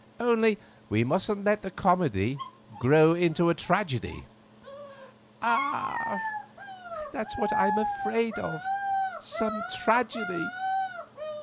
Only we mustn't let the comedy grow into a tragedy." "Ah! that's what I am afraid of, some tragedy.